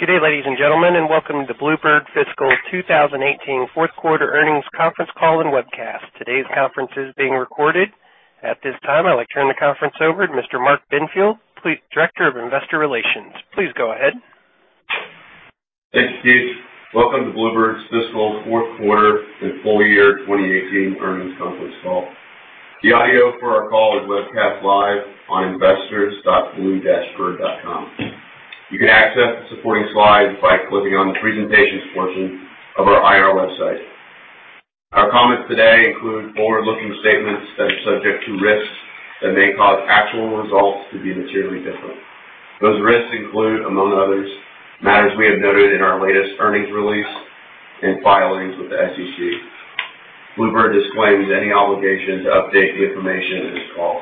Good day, ladies and gentlemen, and welcome to the Blue Bird fiscal 2018 fourth quarter earnings conference call and webcast. Today's conference is being recorded. At this time, I'd like to turn the conference over to Mr. Mark Benfield, Director of Investor Relations. Please go ahead. Thanks, Keith. Welcome to Blue Bird's fiscal fourth quarter and full year 2018 earnings conference call. The audio for our call is webcast live on investors.blue-bird.com. You can access the supporting slides by clicking on the Presentations portion of our IR website. Our comments today include forward-looking statements that are subject to risks that may cause actual results to be materially different. Those risks include, among others, matters we have noted in our latest earnings release and filings with the SEC. Blue Bird disclaims any obligation to update the information in this call.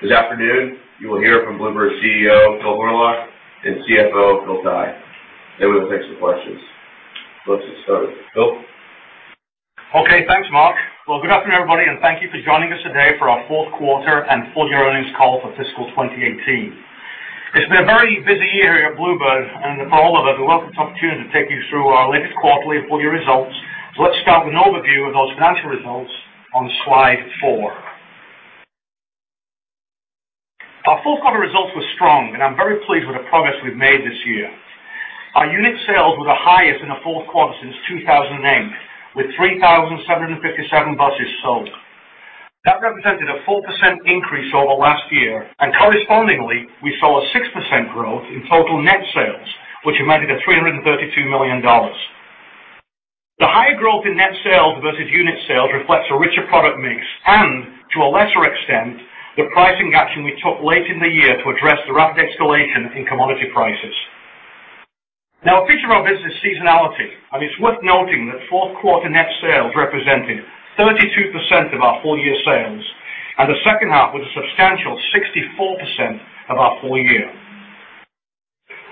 This afternoon, you will hear from Blue Bird's CEO, Phil Horlock, and CFO, Phil Tighe. We will take some questions. Let's get started. Phil? Okay. Thanks, Mark. Good afternoon, everybody, and thank you for joining us today for our fourth quarter and full year earnings call for fiscal 2018. It's been a very busy year here at Blue Bird, and for all of us, we welcome this opportunity to take you through our latest quarterly and full year results. Let's start with an overview of those financial results on slide four. Our fourth quarter results were strong, and I'm very pleased with the progress we've made this year. Our unit sales were the highest in a fourth quarter since 2008, with 3,757 buses sold. That represented a 4% increase over last year, and correspondingly, we saw a 6% growth in total net sales, which amounted to $332 million. The higher growth in net sales versus unit sales reflects a richer product mix and, to a lesser extent, the pricing action we took late in the year to address the rapid escalation in commodity prices. A feature of our business is seasonality, and it's worth noting that fourth quarter net sales represented 32% of our full year sales, and the second half was a substantial 64% of our full year.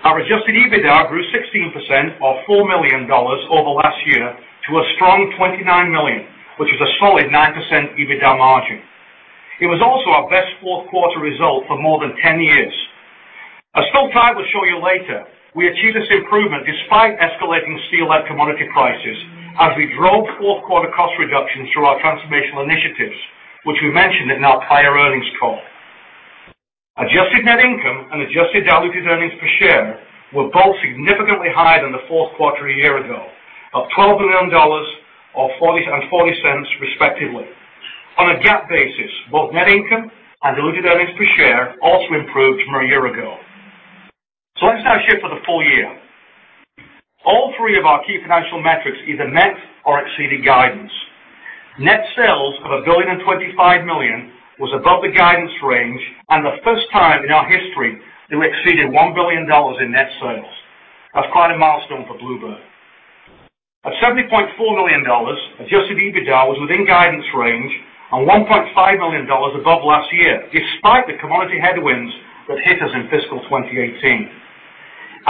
Our Adjusted EBITDA grew 16%, or $4 million over last year to a strong $29 million, which is a solid 9% EBITDA margin. It was also our best fourth quarter result for more than 10 years. As Phil Tighe will show you later, we achieved this improvement despite escalating steel and commodity prices, as we drove fourth quarter cost reductions through our transformational initiatives, which we mentioned in our prior earnings call. Adjusted net income and adjusted diluted earnings per share were both significantly higher than the fourth quarter a year ago, of $12 million and $0.40 respectively. On a GAAP basis, both net income and diluted earnings per share also improved from a year ago. Let's now shift to the full year. All three of our key financial metrics either met or exceeded guidance. Net sales of $1.025 billion was above the guidance range and the first time in our history that we exceeded $1 billion in net sales. That's quite a milestone for Blue Bird. At $70.4 million, Adjusted EBITDA was within guidance range and $1.5 million above last year, despite the commodity headwinds that hit us in fiscal 2018.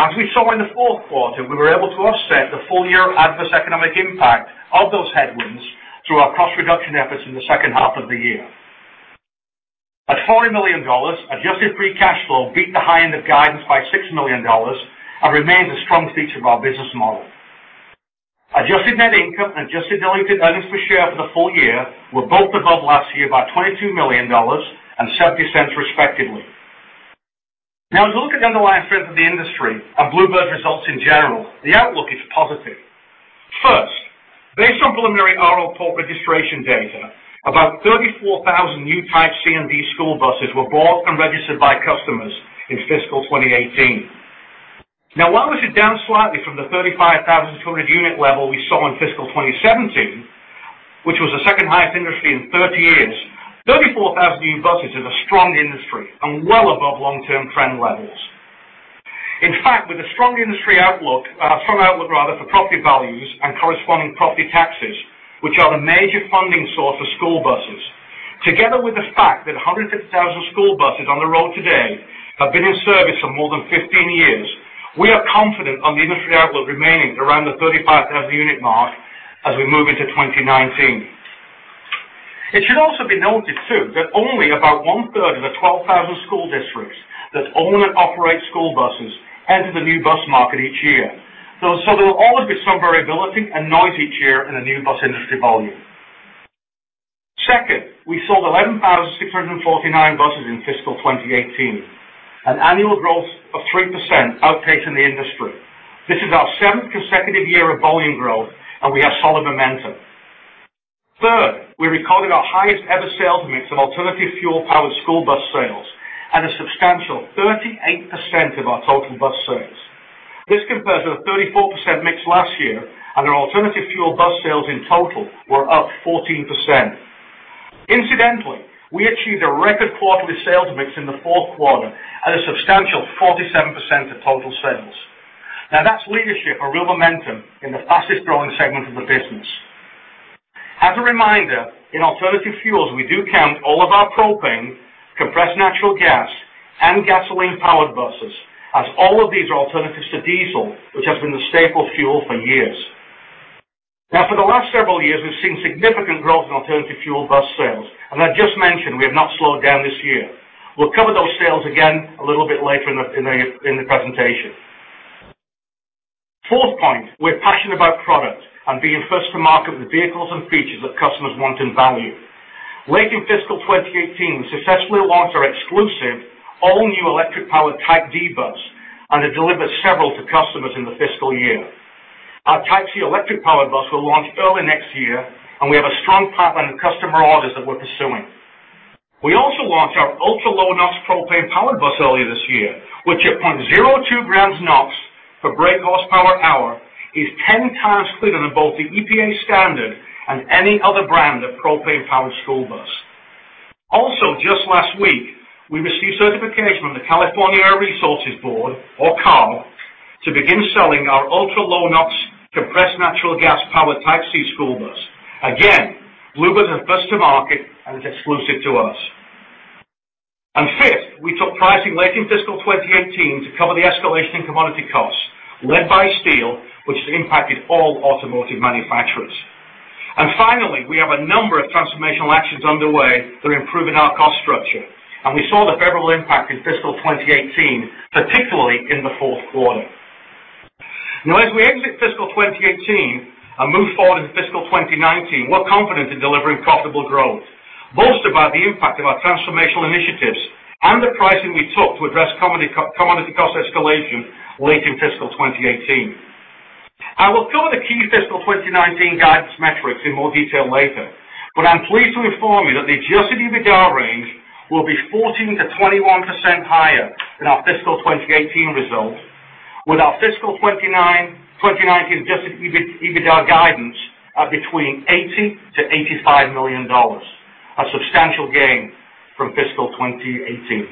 As we saw in the fourth quarter, we were able to offset the full-year adverse economic impact of those headwinds through our cost reduction efforts in the second half of the year. At $40 million, Adjusted Free Cash Flow beat the high end of guidance by $6 million and remains a strong feature of our business model. Adjusted net income and adjusted diluted earnings per share for the full year were both above last year by $22 million and $0.70 respectively. As we look at the underlying strength of the industry and Blue Bird's results in general, the outlook is positive. First, based on preliminary R.L. Polk registration data, about 34,000 new Type C and D school buses were bought and registered by customers in fiscal 2018. While this is down slightly from the 35,200 unit level we saw in fiscal 2017, which was the second highest industry in 30 years, 34,000 new buses is a strong industry and well above long-term trend levels. In fact, with a strong outlook for property values and corresponding property taxes, which are the major funding source of school buses, together with the fact that 150,000 school buses on the road today have been in service for more than 15 years, we are confident on the industry outlook remaining around the 35,000 unit mark as we move into 2019. It should also be noted, too, that only about one-third of the 12,000 school districts that own and operate school buses enter the new bus market each year. There will always be some variability and noise each year in the new bus industry volume. Second, we sold 11,649 buses in fiscal 2018, an annual growth of 3%, outpacing the industry. This is our seventh consecutive year of volume growth, and we have solid momentum. Third, we recorded our highest ever sales mix of alternative fuel-powered school bus sales at a substantial 38% of our total bus sales. This compares to the 34% mix last year, and our alternative fuel bus sales in total were up 14%. Incidentally, we achieved a record quarterly sales mix in the fourth quarter at a substantial 47% of total sales. That's leadership and real momentum in the fastest growing segment of the business. As a reminder, in alternative fuels, we do count all of our propane, compressed natural gas, and gasoline-powered buses, as all of these are alternatives to diesel, which has been the staple fuel for years. Now, for the last several years, we've seen significant growth in alternative fuel bus sales, and I just mentioned we have not slowed down this year. We'll cover those sales again a little bit later in the presentation. Fourth point, we're passionate about product and being first to market with vehicles and features that customers want and value. Late in fiscal 2018, we successfully launched our exclusive, all-new electric-powered Type D bus, and have delivered several to customers in the fiscal year. Our Type C electric-powered bus will launch early next year, and we have a strong pipeline of customer orders that we're pursuing. We also launched our ultra-low NOx propane-powered bus earlier this year, which at 0.02 grams NOx per brake horsepower hour, is 10 times cleaner than both the EPA standard and any other brand of propane-powered school bus. Just last week, we received certification from the California Air Resources Board, or CARB, to begin selling our ultra-low NOx compressed natural gas-powered Type C school bus. Blue Bird was first to market, and it's exclusive to us. Fifth, we took pricing late in fiscal 2018 to cover the escalation in commodity costs, led by steel, which has impacted all automotive manufacturers. Finally, we have a number of transformational actions underway that are improving our cost structure, and we saw the favorable impact in fiscal 2018, particularly in the fourth quarter. As we exit fiscal 2018 and move forward into fiscal 2019, we're confident in delivering profitable growth, bolstered by the impact of our transformational initiatives and the pricing we took to address commodity cost escalation late in fiscal 2018. I will cover the key fiscal 2019 guidance metrics in more detail later, but I'm pleased to inform you that the Adjusted EBITDA range will be 14%-21% higher than our fiscal 2018 results, with our fiscal 2019 Adjusted EBITDA guidance at between $80 million-$85 million, a substantial gain from fiscal 2018.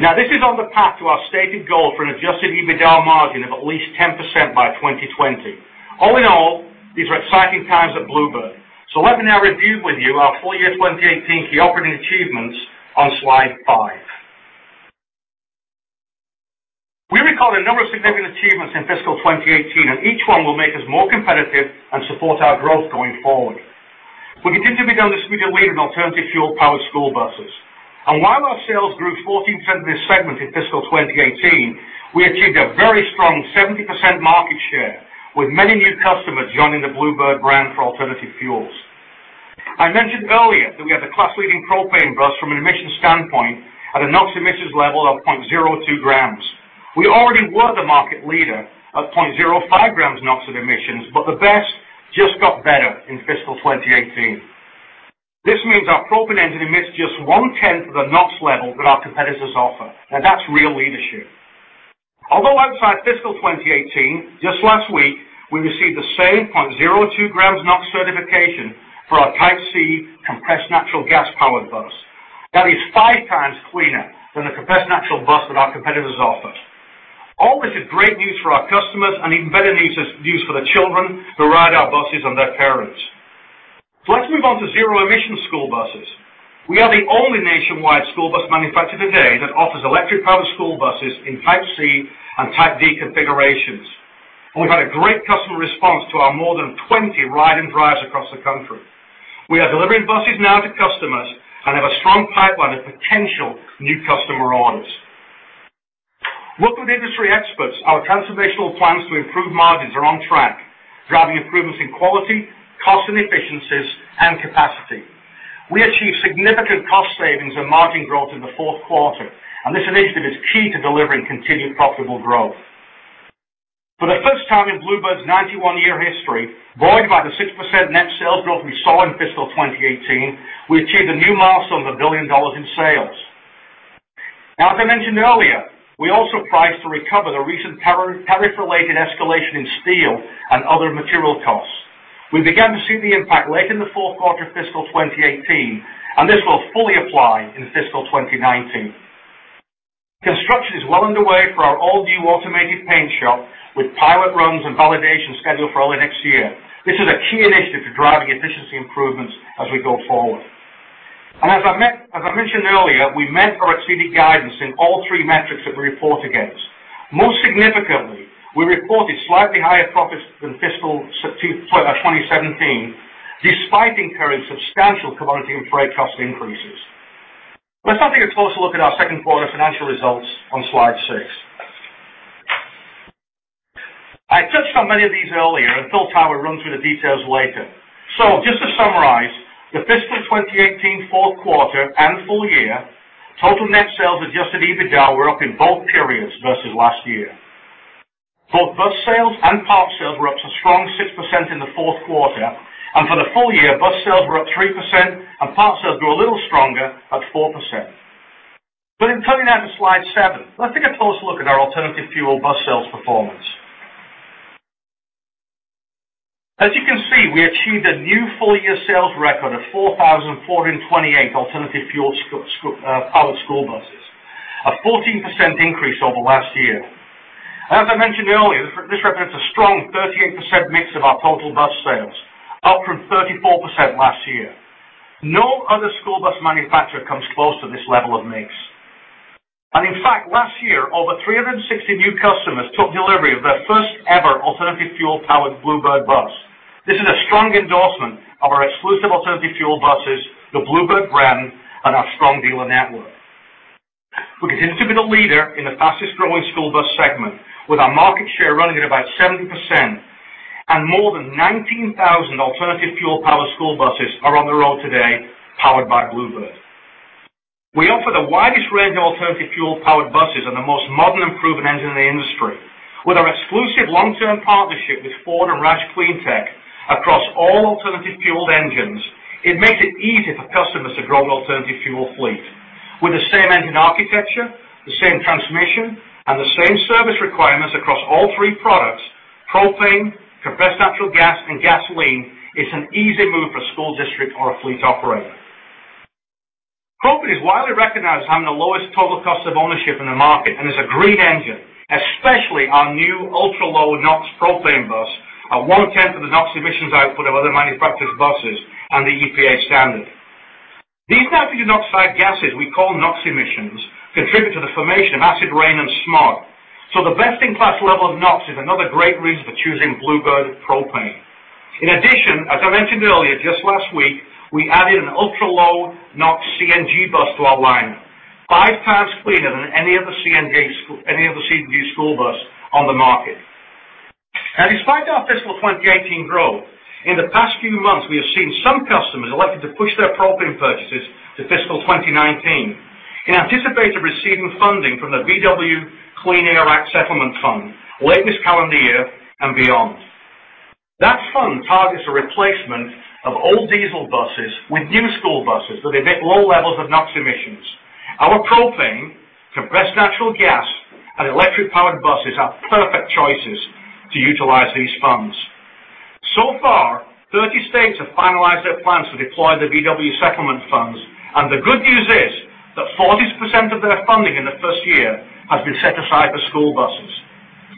This is on the path to our stated goal for an Adjusted EBITDA margin of at least 10% by 2020. All in all, these are exciting times at Blue Bird. Let me now review with you our full year 2018 key operating achievements on slide five. We recorded a number of significant achievements in fiscal 2018, and each one will make us more competitive and support our growth going forward. We continue to be the industry leader in alternative fuel-powered school buses. While our sales grew 14% in this segment in fiscal 2018, we achieved a very strong 70% market share, with many new customers joining the Blue Bird brand for alternative fuels. I mentioned earlier that we have the class-leading propane bus from an emissions standpoint at a NOx emissions level of 0.02 grams. We already were the market leader at 0.05 grams NOx of emissions, but the best just got better in fiscal 2018. This means our propane engine emits just one-tenth of the NOx level that our competitors offer. That's real leadership. Although outside fiscal 2018, just last week, we received the same 0.02 grams NOx certification for our Type C compressed natural gas-powered bus. That is five times cleaner than the compressed natural bus that our competitors offer. All of which is great news for our customers and even better news for the children who ride our buses and their parents. Let's move on to zero-emission school buses. We are the only nationwide school bus manufacturer today that offers electric-powered school buses in Type C and Type D configurations. We've had a great customer response to our more than 20 ride and drives across the country. We are delivering buses now to customers and have a strong pipeline of potential new customer orders. Working with industry experts, our transformational plans to improve margins are on track, driving improvements in quality, cost, efficiencies, and capacity. We achieved significant cost savings and margin growth in the fourth quarter. This initiative is key to delivering continued profitable growth. For the first time in Blue Bird's 91-year history, buoyed by the 6% net sales growth we saw in fiscal 2018, we achieved a new milestone of $1 billion in sales. As I mentioned earlier, we also priced to recover the recent tariff-related escalation in steel and other material costs. We began to see the impact late in the fourth quarter of fiscal 2018. This will fully apply in fiscal 2019. Construction is well underway for our all-new automated paint shop, with pilot runs and validation scheduled for early next year. This is a key initiative to driving efficiency improvements as we go forward. As I mentioned earlier, we met or exceeded guidance in all three metrics that we report against. Most significantly, we reported slightly higher profits than fiscal 2017, despite incurring substantial commodity and freight cost increases. Let's now take a closer look at our second quarter financial results on slide six. I touched on many of these earlier. Phil Tighe will run through the details later. Just to summarize, the fiscal 2018 fourth quarter and full year, total net sales Adjusted EBITDA were up in both periods versus last year. Both bus sales and parts sales were up a strong 6% in the fourth quarter, and for the full year, bus sales were up 3% and parts sales grew a little stronger at 4%. In turning now to slide seven, let's take a closer look at our alternative fuel bus sales performance. As you can see, we achieved a new full-year sales record of 4,428 alternative fuel-powered school buses, a 14% increase over last year. As I mentioned earlier, this represents a strong 38% mix of our total bus sales, up from 34% last year. No other school bus manufacturer comes close to this level of mix. In fact, last year, over 360 new customers took delivery of their first ever alternative fuel-powered Blue Bird bus. This is a strong endorsement of our exclusive alternative fuel buses, the Blue Bird brand, and our strong dealer network. We continue to be the leader in the fastest growing school bus segment, with our market share running at about 70%, and more than 19,000 alternative fuel-powered school buses are on the road today powered by Blue Bird. We offer the widest range of alternative fuel-powered buses and the most modern and proven engine in the industry. With our exclusive long-term partnership with Ford and ROUSH CleanTech across all alternative-fueled engines, it makes it easy for customers to grow an alternative fuel fleet. With the same engine architecture, the same transmission, and the same service requirements across all three products, propane, compressed natural gas, and gasoline is an easy move for a school district or a fleet operator. Propane is widely recognized as having the lowest total cost of ownership in the market, and is a great engine, especially our new ultra-low NOx propane bus, at one-tenth of the NOx emissions output of other manufactured buses and the EPA standard. These nitrogen oxide gases we call NOx emissions, contribute to the formation of acid rain and smog. So the best-in-class level of NOx is another great reason for choosing Blue Bird propane. In addition, as I mentioned earlier, just last week, we added an ultra-low NOx CNG bus to our line, five times cleaner than any other CNG school bus on the market. And despite our fiscal 2018 growth, in the past few months, we have seen some customers elected to push their propane purchases to fiscal 2019 in anticipation of receiving funding from the VW Clean Air Act Settlement Fund late this calendar year and beyond. That fund targets a replacement of old diesel buses with new school buses that emit low levels of NOx emissions. Our propane, compressed natural gas, and electric-powered buses are perfect choices to utilize these funds. So far, 30 states have finalized their plans to deploy the VW settlement funds, and the good news is that 40% of their funding in the first year has been set aside for school buses.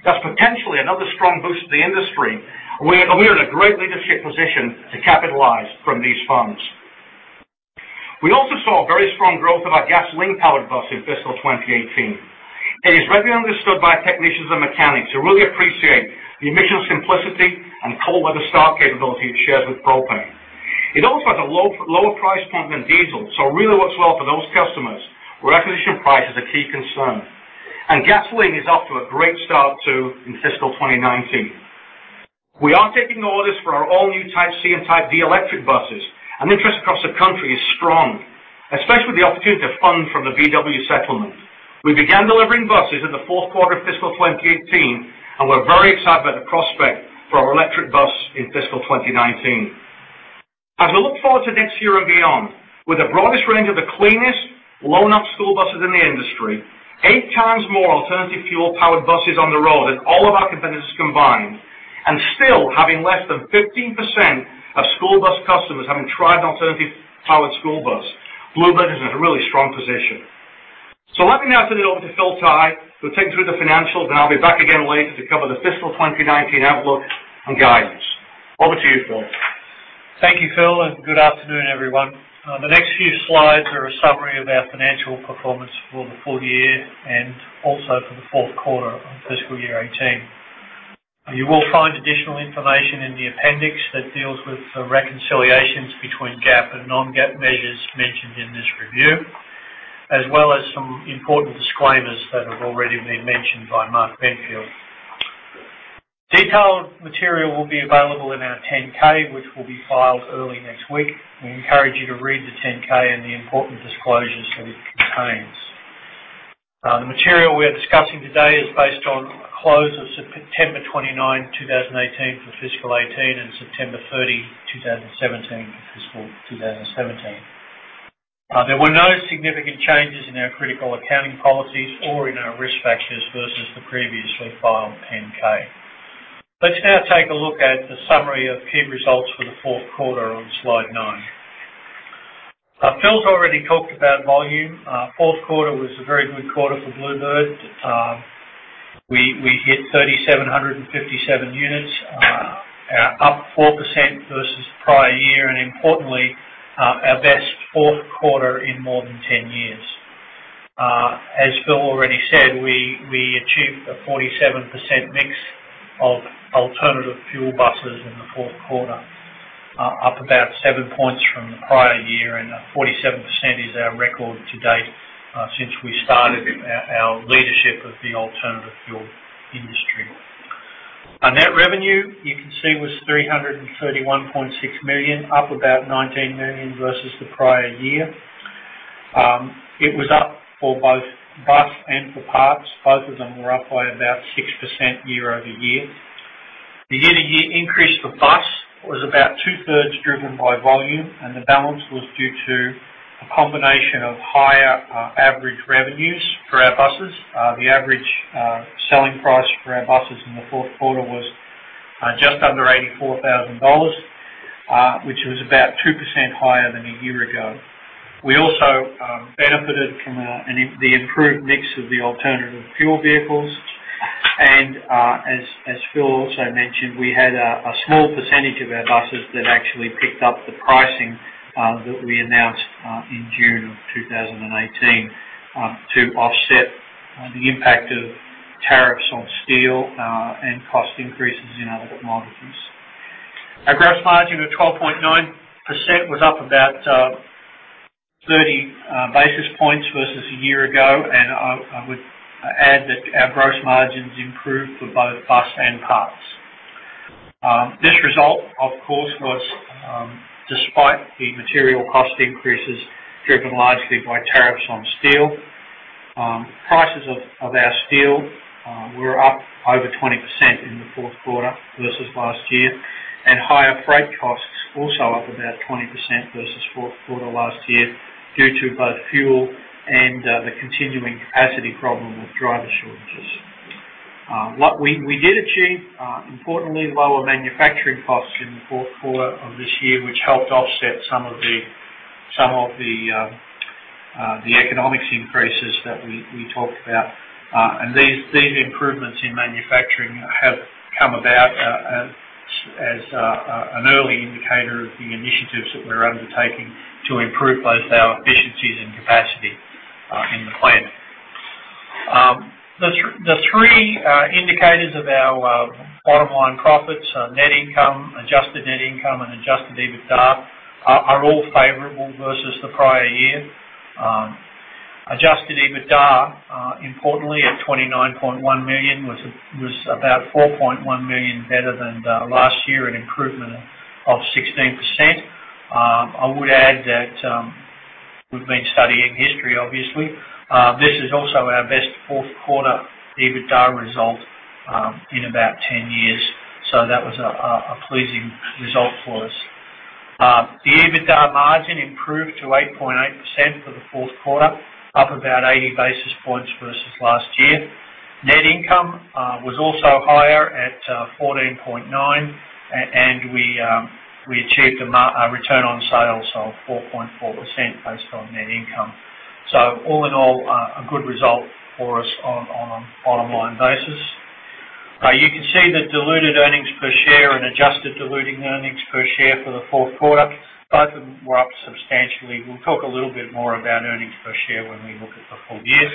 That's potentially another strong boost to the industry. We're in a great leadership position to capitalize from these funds. We also saw very strong growth of our gasoline-powered bus in fiscal 2018. It is regularly understood by technicians and mechanics who really appreciate the emissions simplicity and cold weather start capability it shares with propane. It also has a lower price point than diesel, so it really works well for those customers where acquisition price is a key concern. And gasoline is off to a great start, too, in fiscal 2019. We are taking orders for our all-new Type C and Type D electric buses, and interest across the country is strong, especially with the opportunity to fund from the VW settlement. We began delivering buses in the fourth quarter of fiscal 2018, and we're very excited about the prospect for our electric bus in fiscal 2019. As we look forward to next year and beyond, with the broadest range of the cleanest low-NOx school buses in the industry, eight times more alternative fuel-powered buses on the road than all of our competitors combined, and still having less than 15% of school bus customers having tried an alternative powered school bus, Blue Bird is in a really strong position. So let me now turn it over to Phil Tighe, who'll take you through the financials, and I'll be back again later to cover the fiscal 2019 outlook and guidance. Over to you, Phil. Thank you, Phil, and good afternoon, everyone. The next few slides are a summary of our financial performance for the full year and also for the fourth quarter of fiscal year 2018. You will find additional information in the appendix that deals with the reconciliations between GAAP and non-GAAP measures mentioned in this review, as well as some important disclaimers that have already been mentioned by Mark Benfield. Detailed material will be available in our 10-K, which will be filed early next week. We encourage you to read the 10-K and the important disclosures that it contains. The material we are discussing today is based on a close of September 29, 2018, for fiscal 2018, and September 30, 2017, for fiscal 2017. There were no significant changes in our critical accounting policies or in our risk factors versus the previously filed 10-K. Let's now take a look at the summary of key results for the fourth quarter on slide nine. Phil's already talked about volume. Fourth quarter was a very good quarter for Blue Bird. We hit 3,757 units, up 4% versus the prior year, and importantly, our best fourth quarter in more than 10 years. As Phil already said, we achieved a 47% mix of alternative fuel buses in the fourth quarter, up about seven points from the prior year, and 47% is our record to date since we started our leadership of the alternative fuel industry. Our net revenue, you can see, was $331.6 million, up about $19 million versus the prior year. It was up for both bus and for parts. Both of them were up by about 6% year-over-year. The year-to-year increase for bus was about two-thirds driven by volume, and the balance was due to a combination of higher average revenues for our buses. The average selling price for our buses in the fourth quarter was just under $84,000, which was about 2% higher than a year ago. We also benefited from the improved mix of the alternative fuel vehicles. As Phil also mentioned, we had a small percentage of our buses that actually picked up the pricing that we announced in June of 2018 to offset the impact of tariffs on steel and cost increases in other commodities. Our gross margin of 12.9% was up about 30 basis points versus a year ago, and I would add that our gross margins improved for both bus and parts. This result, of course, was despite the material cost increases driven largely by tariffs on steel. Prices of our steel were up over 20% in the fourth quarter versus last year. Higher freight costs also up about 20% versus fourth quarter last year due to both fuel and the continuing capacity problem with driver shortages. What we did achieve, importantly, lower manufacturing costs in the fourth quarter of this year, which helped offset some of the economics increases that we talked about. These improvements in manufacturing have come about as an early indicator of the initiatives that we're undertaking to improve both our efficiencies and capacity in the plant. The three indicators of our bottom line profits are net income, adjusted net income, and Adjusted EBITDA are all favorable versus the prior year. Adjusted EBITDA, importantly at $29.1 million was about $4.1 million better than last year, an improvement of 16%. I would add that we've been studying history, obviously. This is also our best fourth quarter EBITDA result in about 10 years, that was a pleasing result for us. The EBITDA margin improved to 8.8% for the fourth quarter, up about 80 basis points versus last year. Net income was also higher at $14.9, we achieved a return on sales of 4.4% based on net income. All in all, a good result for us on a bottom line basis. You can see that diluted earnings per share and adjusted diluted earnings per share for the fourth quarter, both of them were up substantially. We'll talk a little bit more about earnings per share when we look at the full year.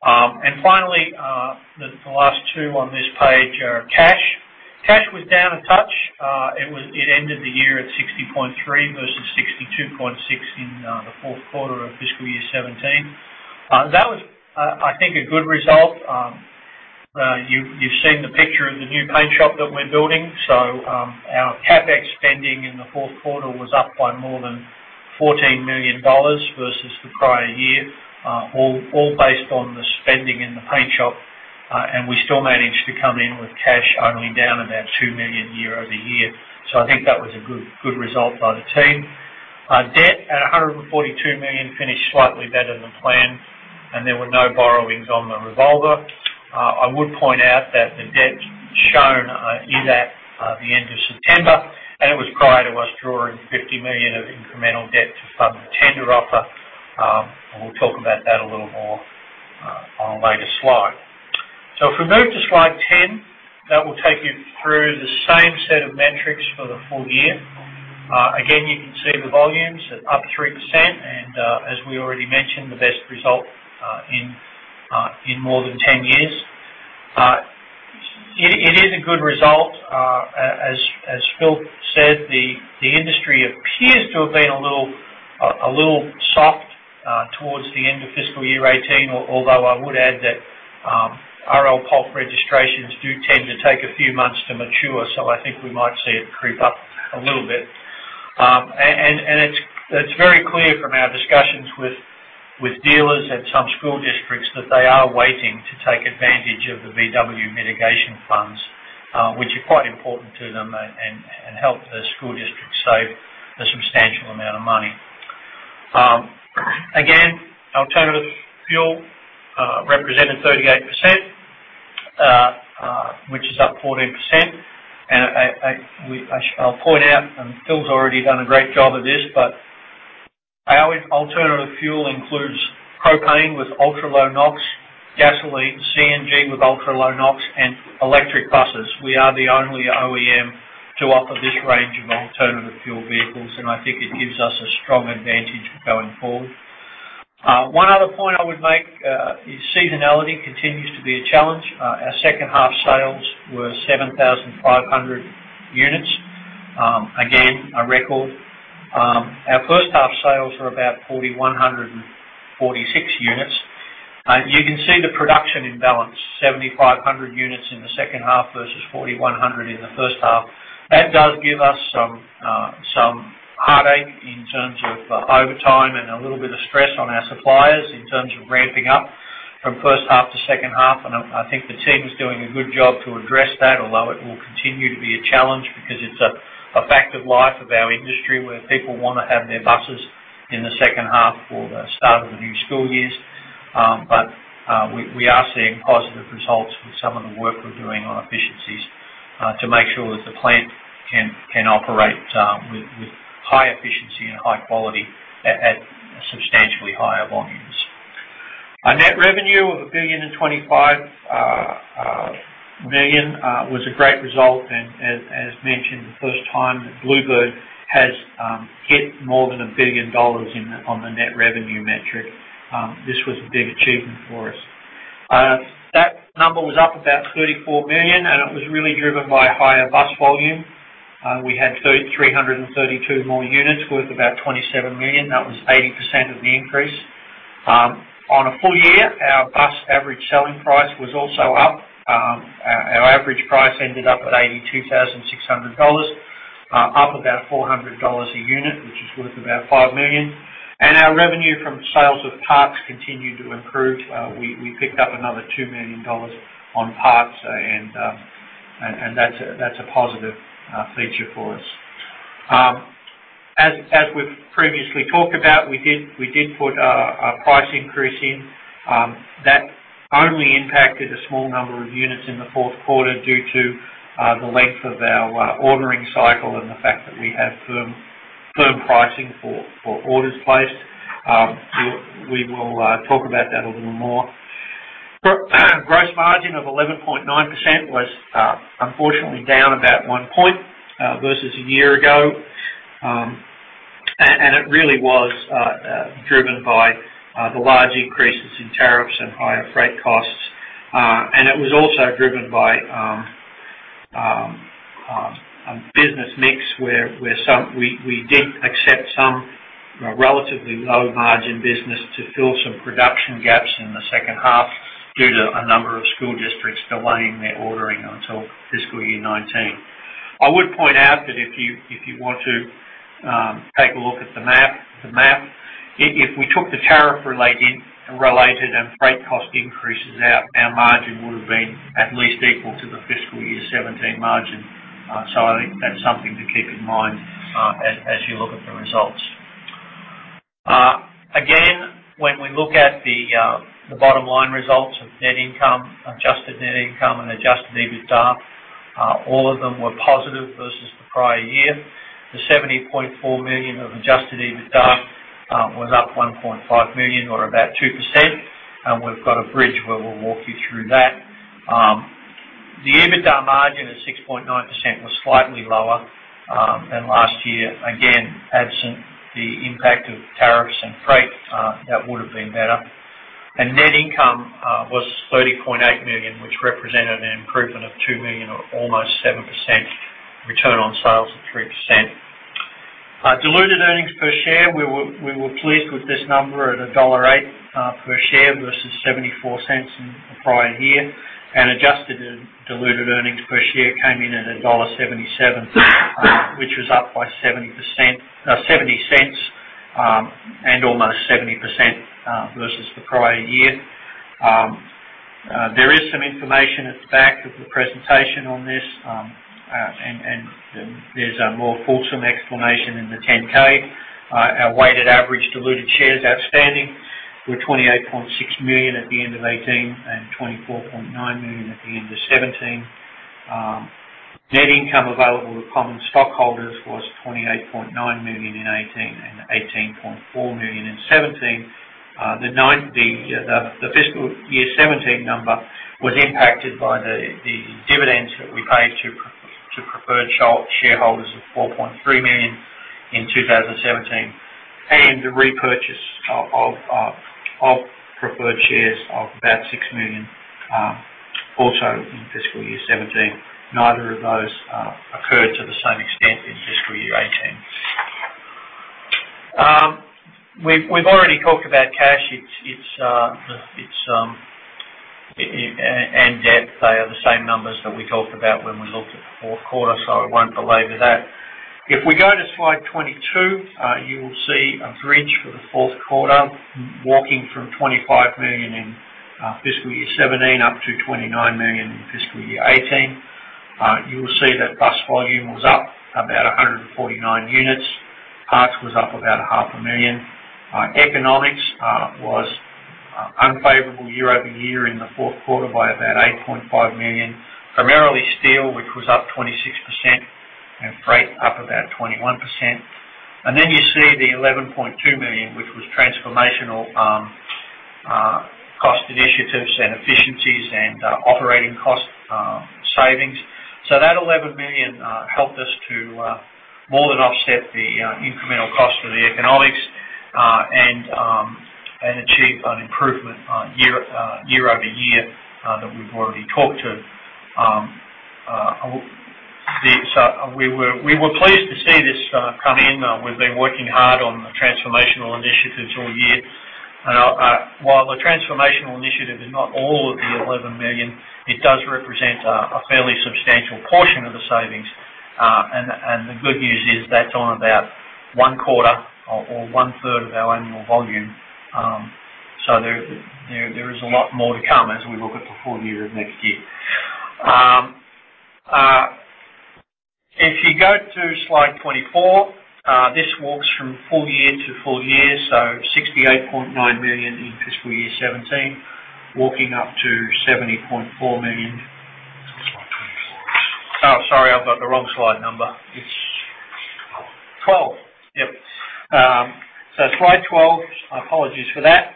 Finally, the last two on this page are cash. Cash was down a touch. It ended the year at $60.3 versus $62.6 in the fourth quarter of fiscal year 2017. That was, I think, a good result. You've seen the picture of the new paint shop that we're building. Our CapEx spending in the fourth quarter was up by more than $14 million versus the prior year, all based on the spending in the paint shop. We still managed to come in with cash only down about $2 million year-over-year. Debt at $142 million finished slightly better than planned, there were no borrowings on the revolver. I would point out that the debt shown is at the end of September, it was prior to us drawing $50 million of incremental debt to fund the tender offer. We'll talk about that a little more on a later slide. If we move to slide 10, that will take you through the same set of metrics for the full year. You can see the volumes up 3%, as we already mentioned, the best result in more than 10 years. It is a good result. As Phil said, the industry appears to have been a little soft towards the end of fiscal year 2018, I would add that R.L. Polk registrations do tend to take a few months to mature. I think we might see it creep up a little bit. It's very clear from our discussions with dealers at some school districts that they are waiting to take advantage of the VW mitigation funds, which are quite important to them and help the school district save a substantial amount of money. Alternative fuel represented 38%, which is up 14%. I'll point out, Phil's already done a great job of this, alternative fuel includes propane with ultra-low NOx, gasoline, CNG with ultra-low NOx, and electric buses. We are the only OEM to offer this range of alternative fuel vehicles, I think it gives us a strong advantage going forward. One other point I would make is seasonality continues to be a challenge. Our second half sales were 7,500 units. A record. Our first half sales were about 4,146 units. You can see the production imbalance, 7,500 units in the second half versus 4,100 in the first half. That does give us some heartache in terms of overtime and a little bit of stress on our suppliers in terms of ramping up from first half to second half. I think the team is doing a good job to address that, although it will continue to be a challenge because it's a fact of life of our industry where people want to have their buses in the second half for the start of the new school years. We are seeing positive results with some of the work we're doing on efficiencies to make sure that the plant can operate with high efficiency and high quality at substantially higher volumes. Our net revenue of $1.025 billion was a great result, as mentioned, the first time that Blue Bird has hit more than $1 billion on the net revenue metric. This was a big achievement for us. That number was up about $34 million, and it was really driven by higher bus volume. We had 332 more units worth about $27 million. That was 80% of the increase. On a full year, our bus average selling price was also up. Our average price ended up at $82,600, up about $400 a unit, which is worth about $5 million. Our revenue from sales of parts continued to improve. We picked up another $2 million on parts, and that's a positive feature for us. As we've previously talked about, we did put a price increase in. That only impacted a small number of units in the fourth quarter due to the length of our ordering cycle and the fact that we have firm pricing for orders placed. We will talk about that a little more. Gross margin of 11.9% was unfortunately down about one point versus a year ago. It really was driven by the large increases in tariffs and higher freight costs. It was also driven by a business mix where we did accept some relatively low-margin business to fill some production gaps in the second half due to a number of school districts delaying their ordering until fiscal year 2019. I would point out that if you want to take a look at the map, if we took the tariff-related and freight cost increases out, our margin would have been at least equal to the fiscal year 2017 margin. I think that's something to keep in mind as you look at the results. Again, when we look at the bottom line results of net income, adjusted net income and Adjusted EBITDA, all of them were positive versus the prior year. The $70.4 million of Adjusted EBITDA was up $1.5 million or about 2%, and we've got a bridge where we'll walk you through that. The EBITDA margin of 6.9% was slightly lower than last year. Again, absent the impact of tariffs and freight, that would have been better. Net income was $30.8 million, which represented an improvement of $2 million or almost 7%. Return on sales of 3%. Diluted earnings per share, we were pleased with this number at $1.08 per share versus $0.74 in the prior year. Adjusted diluted earnings per share came in at $1.77, which was up by $0.70 and almost 70% versus the prior year. There is some information at the back of the presentation on this, and there's a more fulsome explanation in the 10-K. Our weighted average diluted shares outstanding were 28.6 million at the end of 2018 and 24.9 million at the end of 2017. Net income available to common stockholders was $28.9 million in 2018 and $18.4 million in 2017. The fiscal year 2017 number was impacted by the dividends that we paid to preferred shareholders of $4.3 million in 2017. The repurchase of preferred shares of about $6 million also in fiscal year 2017. Neither of those occurred to the same extent in fiscal year 2018. We've already talked about cash and debt. They are the same numbers that we talked about when we looked at the fourth quarter, so I won't belabor that. If we go to slide 22, you will see a bridge for the fourth quarter walking from $25 million in fiscal year 2017 up to $29 million in fiscal year 2018. You will see that bus volume was up about 149 units. Parts was up about a half a million. Economics was unfavorable year-over-year in the fourth quarter by about $8.5 million, primarily steel, which was up 26%, and freight up about 21%. You see the $11.2 million, which was transformational cost initiatives and efficiencies and operating cost savings. That $11 million helped us to more than offset the incremental cost of the economics and achieve an improvement year-over-year that we've already talked to. We were pleased to see this come in. We've been working hard on the transformational initiatives all year. While the transformational initiative is not all of the $11 million, it does represent a fairly substantial portion of the savings. The good news is that's on about one-quarter or one-third of our annual volume. There is a lot more to come as we look at the full year of next year. If you go to slide 24, this walks from full year to full year, $68.9 million in fiscal year 2017, walking up to $70.4 million. Oh, sorry, I've got the wrong slide number. It's 12. Yep. Slide 12, my apologies for that.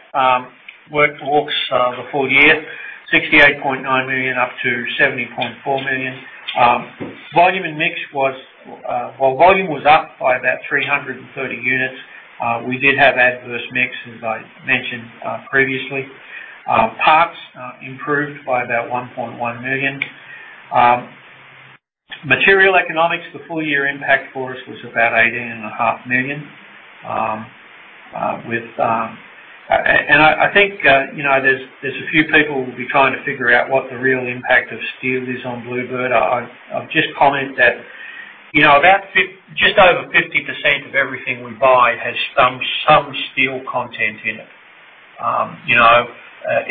Walk-forward for the full year, $68.9 million up to $70.4 million. Volume and mix was. Well, volume was up by about 330 units. We did have adverse mix, as I mentioned previously. Parts improved by about $1.1 million. Material economics, the full year impact for us was about $18.5 million. I think there's a few people who will be trying to figure out what the real impact of steel is on Blue Bird. I'll just comment that just over 50% of everything we buy has some steel content in it.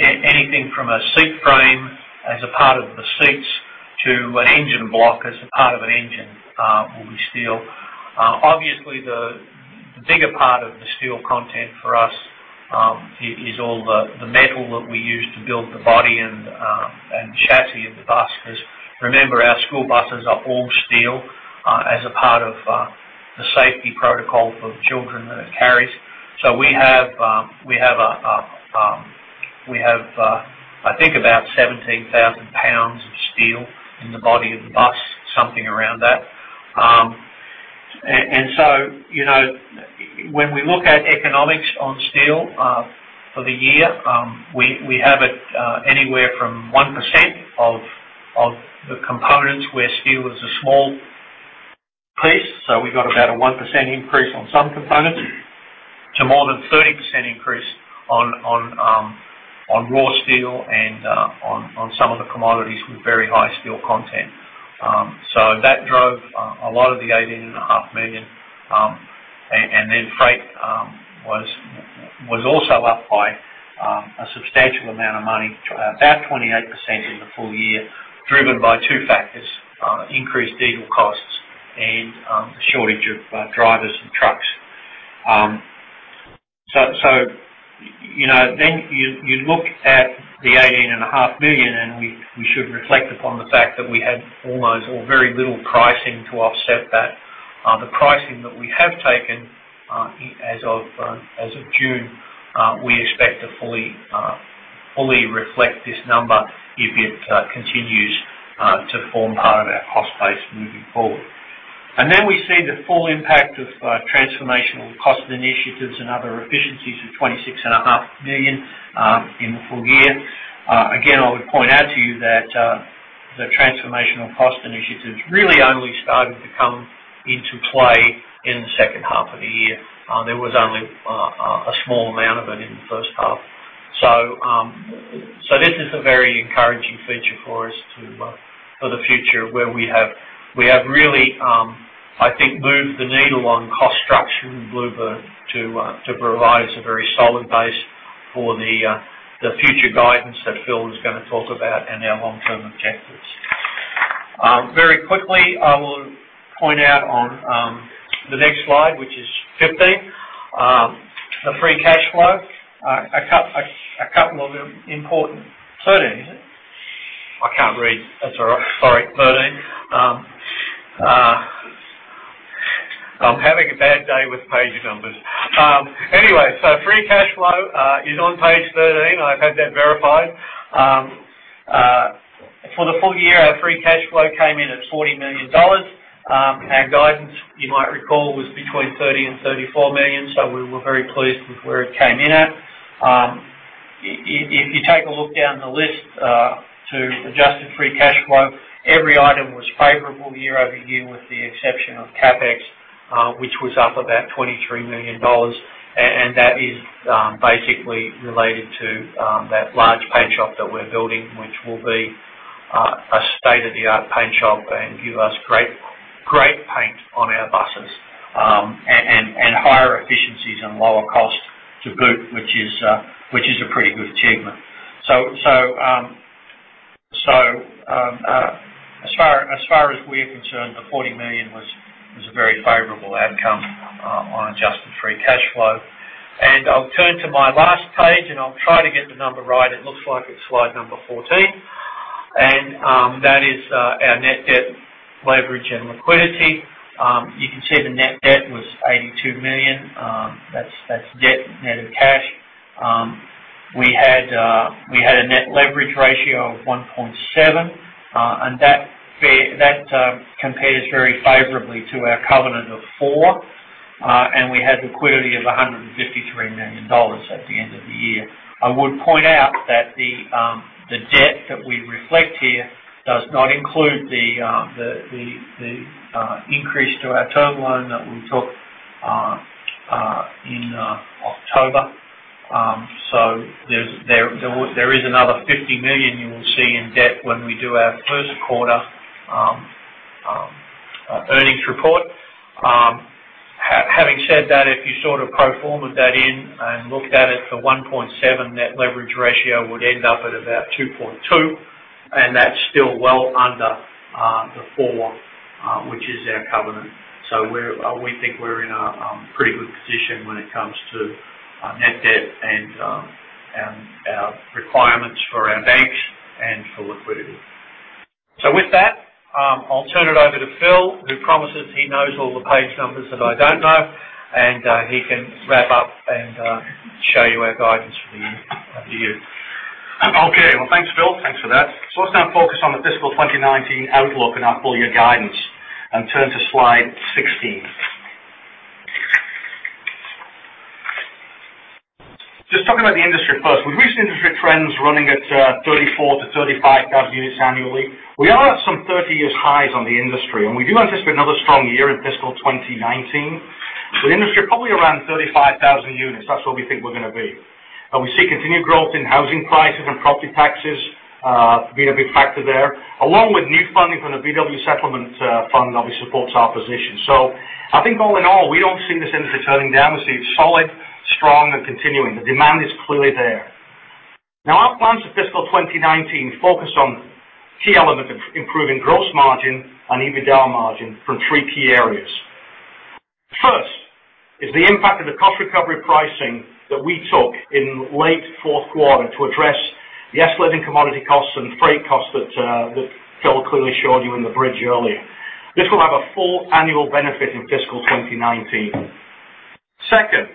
Anything from a seat frame as a part of the seats to an engine block as a part of an engine will be steel. The bigger part of the steel content for us is all the metal that we use to build the body and chassis of the bus, because remember, our school buses are all steel as a part of the safety protocol for the children that it carries. We have, I think, about 17,000 pounds of steel in the body of the bus, something around that. When we look at economics on steel for the year, we have it anywhere from 1% of the components where steel is a small piece. We got about a 1% increase on some components to more than 30% increase on raw steel and on some of the commodities with very high steel content. That drove a lot of the $18.5 million. Freight was also up by a substantial amount of money, about 28% in the full year, driven by two factors, increased diesel costs and a shortage of drivers and trucks. You look at the $18.5 million, and we should reflect upon the fact that we had almost or very little pricing to offset that. The pricing that we have taken as of June, we expect to fully reflect this number if it continues to form part of our cost base moving forward. We see the full impact of transformational cost initiatives and other efficiencies of $26.5 million in the full year. I would point out to you that the transformational cost initiatives really only started to come into play in the second half of the year. There was only a small amount of it in the first half. This is a very encouraging feature for us for the future, where we have really, I think, moved the needle on cost structure in Blue Bird to provide us a very solid base for the future guidance that Phil is going to talk about and our long-term objectives. Very quickly, I want to point out on the next slide, which is 15, the free cash flow. 13, is it? I can't read. That's all right. Sorry, 13. I'm having a bad day with page numbers. Free cash flow is on page 13. I've had that verified. For the full year, our free cash flow came in at $40 million. Our guidance, you might recall, was between $30 million and $34 million, so we were very pleased with where it came in at. If you take a look down the list to Adjusted Free Cash Flow, every item was favorable year-over-year with the exception of CapEx, which was up about $23 million. That is basically related to that large paint shop that we're building, which will be a state-of-the-art paint shop and give us great paint on our buses and higher efficiencies and lower cost to boot, which is a pretty good achievement. As far as we're concerned, the $40 million was a very favorable outcome on Adjusted Free Cash Flow. I'll turn to my last page, and I'll try to get the number right. It looks like it's slide number 14, and that is our net debt leverage and liquidity. You can see the net debt was $82 million. That's debt net of cash. We had a net leverage ratio of 1.7, and that compares very favorably to our covenant of four, and we had liquidity of $153 million at the end of the year. I would point out that the debt that we reflect here does not include the increase to our term loan that we took in October. There is another $50 million you will see in debt when we do our first quarter earnings report. Having said that, if you sort of pro forma'd that in and looked at it, the 1.7 net leverage ratio would end up at about 2.2, and that's still well under the four, which is our covenant. We think we're in a pretty good position when it comes to net debt and our requirements for our banks and for liquidity. I'll turn it over to Phil, who promises he knows all the page numbers that I don't know, and he can wrap up and show you our guidance for the year. Okay. Well, thanks, Phil. Thanks for that. Let's now focus on the fiscal 2019 outlook and our full-year guidance and turn to slide 16. Just talking about the industry first. With recent industry trends running at 34,000 to 35,000 units annually, we are at some 30-year highs on the industry, and we do anticipate another strong year in fiscal 2019. The industry, probably around 35,000 units. That's what we think we're going to be. We see continued growth in housing prices and property taxes being a big factor there, along with new funding from the Volkswagen settlement fund, obviously supports our position. I think all in all, we don't see this industry turning down. We see it solid, strong, and continuing. The demand is clearly there. Now, our plans for fiscal 2019 focus on key elements of improving gross margin and EBITDA margin from three key areas. First is the impact of the cost recovery pricing that we took in late fourth quarter to address the escalating commodity costs and freight costs that Phil clearly showed you in the bridge earlier. This will have a full annual benefit in fiscal 2019. Second,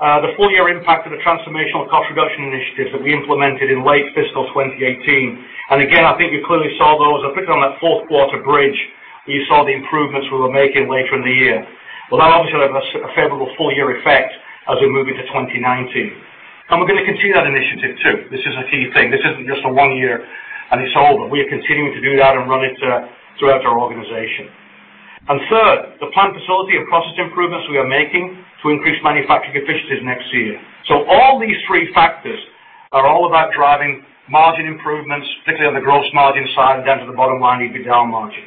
the full-year impact of the transformational cost reduction initiatives that we implemented in late fiscal 2018. Again, I think you clearly saw those, particularly on that fourth quarter bridge. You saw the improvements we were making later in the year. That obviously will have a favorable full-year effect as we move into 2019. We're going to continue that initiative, too. This is a key thing. This isn't just a one year and it's over. We are continuing to do that and run it throughout our organization. Third, the plant facility and process improvements we are making to increase manufacturing efficiencies next year. All these three factors are all about driving margin improvements, particularly on the gross margin side, down to the bottom line, EBITDA margin.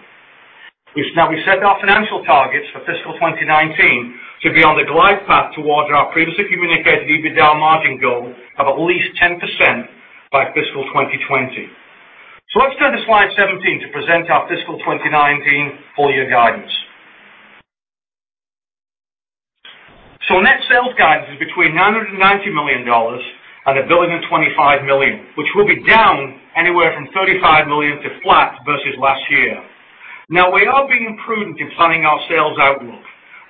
Now we've set our financial targets for fiscal 2019 to be on the glide path towards our previously communicated EBITDA margin goal of at least 10% by fiscal 2020. Let's turn to slide 17 to present our fiscal 2019 full-year guidance. Net sales guidance is between $990 million and $1,025 million, which will be down anywhere from $35 million to flat versus last year. We are being prudent in planning our sales outlook,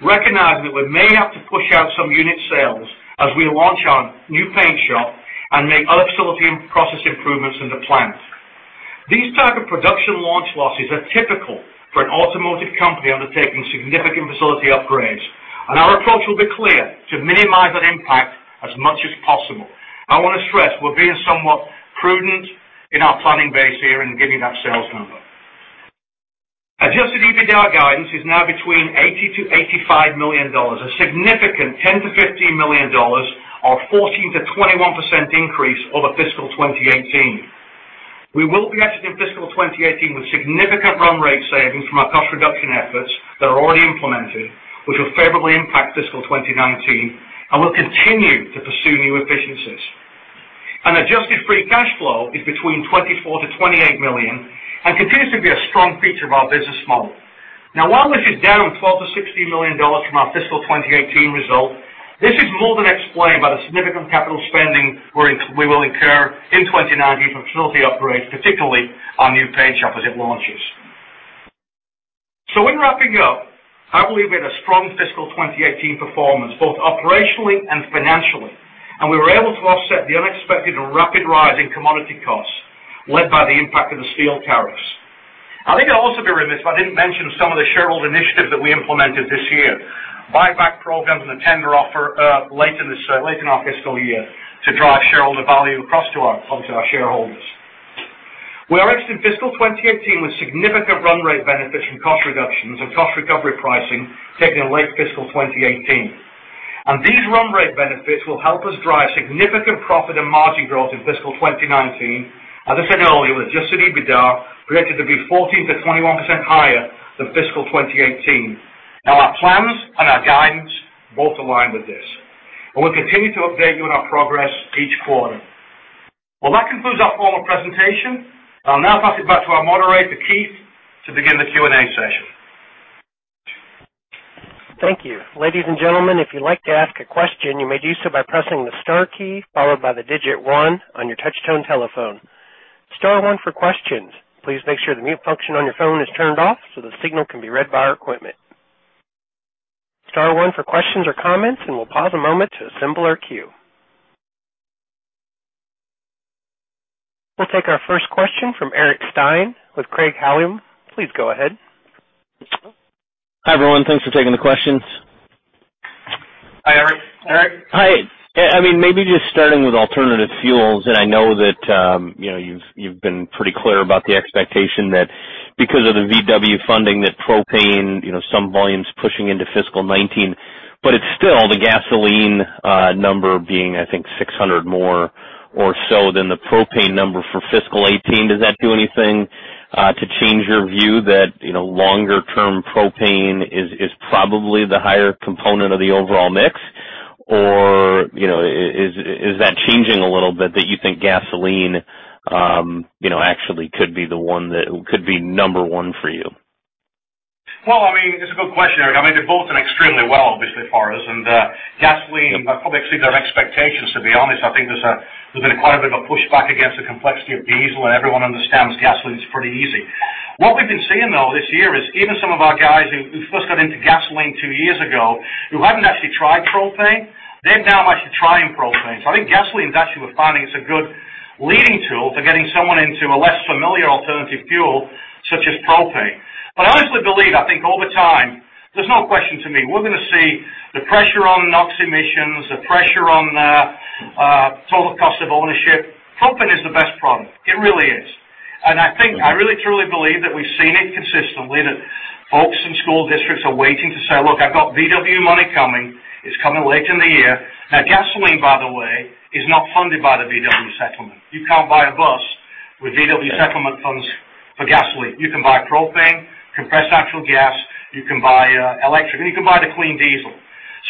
recognizing that we may have to push out some unit sales as we launch our new paint shop and make other facility and process improvements in the plants. These type of production launch losses are typical for an automotive company undertaking significant facility upgrades, and our approach will be clear to minimize that impact as much as possible. I want to stress we're being somewhat prudent in our planning base here in giving that sales number. Adjusted EBITDA guidance is now between $80 million-$85 million, a significant $10 million-$15 million, or 14%-21% increase over fiscal 2018. We will be exiting fiscal 2018 with significant run rate savings from our cost reduction efforts that are already implemented, which will favorably impact fiscal 2019 and will continue to pursue new efficiencies. Adjusted Free Cash Flow is between $24 million-$28 million and continues to be a strong feature of our business model. While this is down $12 million-$16 million from our fiscal 2018 result, this is more than explained by the significant capital spending we will incur in 2019 for facility upgrades, particularly our new paint shop as it launches. In wrapping up, I believe we had a strong fiscal 2018 performance, both operationally and financially, and we were able to offset the unexpected rapid rise in commodity costs led by the impact of the steel tariffs. I think I'd also be remiss if I didn't mention some of the shareholder initiatives that we implemented this year. Buyback programs and the tender offer late in our fiscal year to drive shareholder value across to our shareholders. We are exiting fiscal 2018 with significant run rate benefits from cost reductions and cost recovery pricing taken in late fiscal 2018. These run rate benefits will help us drive significant profit and margin growth in fiscal 2019. As I said earlier, Adjusted EBITDA predicted to be 14%-21% higher than fiscal 2018. Our plans and our guidance both align with this, and we'll continue to update you on our progress each quarter. Well, that concludes our formal presentation. I'll now pass it back to our moderator, Keith, to begin the Q&A session. Thank you. Ladies and gentlemen, if you'd like to ask a question, you may do so by pressing the star key followed by the digit one on your touch-tone telephone. Star one for questions. Please make sure the mute function on your phone is turned off so the signal can be read by our equipment. Star one for questions or comments, and we'll pause a moment to assemble our queue. We'll take our first question from Eric Stine with Craig-Hallum. Please go ahead. Hi, everyone. Thanks for taking the questions. Hi, Eric. Eric. Hi. Maybe just starting with alternative fuels, I know that you've been pretty clear about the expectation that because of the Volkswagen funding, that propane, some volume's pushing into fiscal 2019, but it's still the gasoline number being, I think, 600 more or so than the propane number for fiscal 2018. Does that do anything to change your view that longer term propane is probably the higher component of the overall mix? Is that changing a little bit that you think gasoline actually could be number 1 for you? Well, it's a good question, Eric. They're both extremely well, obviously, for us. Gasoline have probably exceeded our expectations, to be honest. I think there's been quite a bit of a pushback against the complexity of diesel, and everyone understands gasoline is pretty easy. What we've been seeing, though, this year is even some of our guys who first got into gasoline two years ago, who haven't actually tried propane, they're now actually trying propane. I think gasoline actually we're finding is a good leading tool for getting someone into a less familiar alternative fuel such as propane. I honestly believe, I think all the time, there's no question to me, we're going to see the pressure on NOx emissions, the pressure on the total cost of ownership. Propane is the best product. It really is. I think I really truly believe that we've seen it consistently, that folks in school districts are waiting to say, "Look, I've got Volkswagen money coming. It's coming late in the year." Gasoline, by the way, is not funded by the Volkswagen settlement. You can't buy a bus with Volkswagen settlement funds for gasoline. You can buy propane, compressed natural gas, you can buy electric, and you can buy the clean diesel.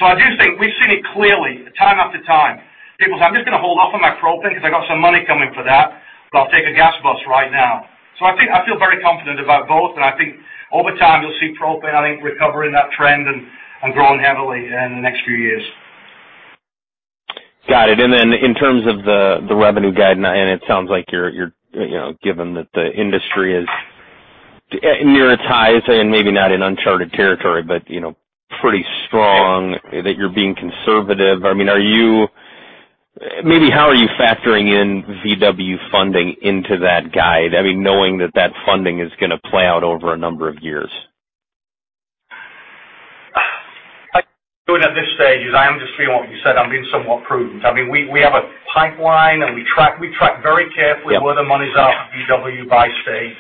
I do think we've seen it clearly time after time. People say, "I'm just going to hold off on my propane because I got some money coming for that, but I'll take a gas bus right now." I feel very confident about both, and I think over time you'll see propane, I think, recovering that trend and growing heavily in the next few years. Got it. Then in terms of the revenue guide, and it sounds like you're given that the industry is near its highs and maybe not in uncharted territory, but pretty strong, that you're being conservative. Maybe how are you factoring in Volkswagen funding into that guide, knowing that that funding is going to play out over a number of years? Doing at this stage is I am just being what you said, I'm being somewhat prudent. We have a pipeline, and we track very carefully- Yeah where the monies are for Volkswagen by state.